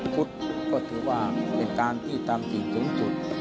ภุตก็คือว่าเป็นการที่ทำสิ่งถึงสุด